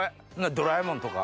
『ドラえもん』とか。